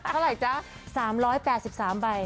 เท่าไหร่จ๊ะ๓๘๓ใบ